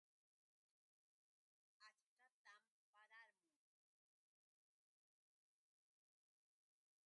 Achkatam tamyayaamun.